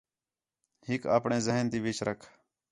ہیک آپݨے ذہن تی وِچ رکھ